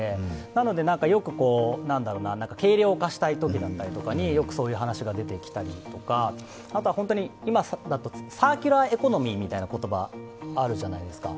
なので、よく軽量化したいときとかにそういう話が出てきたりとか、あとは今だとサーキュラーエコノミーみたいな言葉あるじゃないですか。